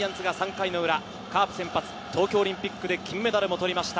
ジャイアンツが３回の裏、カープ先発、東京オリンピックで金メダルを取りました